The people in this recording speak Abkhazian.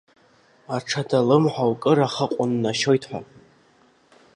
Аҽада алымҳа укыр ахы ҟәыннашьоит ҳәа.